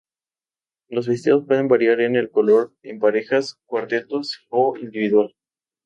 Los vestidos pueden variar en el color en parejas, cuartetos o individual.